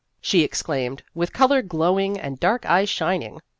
she exclaimed, with color glowing and dark eyes shining.